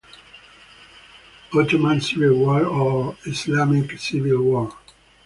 Ottoman Civil War or Islamic Civil War.